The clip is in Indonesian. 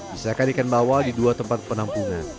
misalkan ikan bawal di dua tempat penampungan